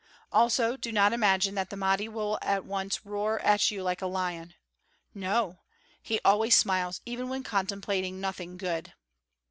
Also do not imagine that the Mahdi will at once roar at you like a lion! No! He always smiles, even when contemplating nothing good."